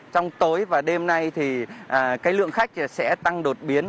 trong tối và đêm nay thì cái lượng khách sẽ tăng đột biến